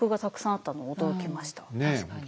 確かに。